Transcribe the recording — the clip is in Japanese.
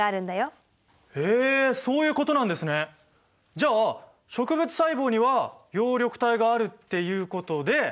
じゃあ植物細胞には葉緑体があるっていうことで。